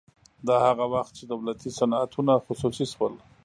دا هغه وخت چې دولتي صنعتونه خصوصي شول